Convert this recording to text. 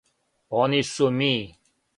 Они су ми.